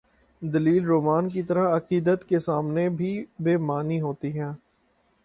دلیل رومان کی طرح، عقیدت کے سامنے بھی بے معنی ہو تی ہے۔